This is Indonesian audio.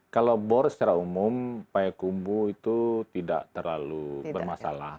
kalau bor secara umum payakumbu itu tidak terlalu bermasalah